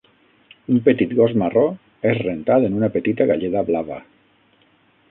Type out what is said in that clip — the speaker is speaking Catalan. Un petit gos marró és rentat en una petita galleda blava.